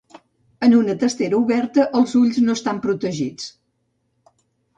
En una "testera oberta", els ulls no estan protegits.